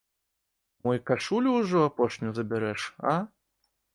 Мо і кашулю ўжо апошнюю забярэш, а?